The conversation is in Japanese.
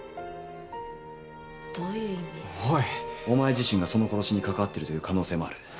お前自身がその殺しにかかわっているという可能性もある。